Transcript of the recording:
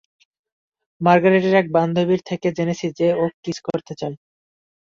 মার্গারেটের এক বান্ধবীর থেকে জেনেছি যে, ও কিস করতে চায়।